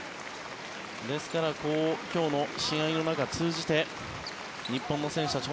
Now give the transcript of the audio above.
ですから今日の試合の中を通じて日本の選手たち